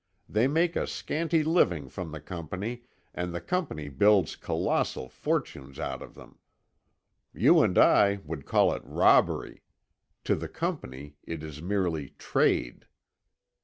They make a scanty living from the Company, and the Company builds colossal fortunes out of them. You and I would call it robbery. To the Company it is merely 'trade.